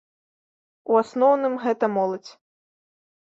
У асноўным гэта моладзь.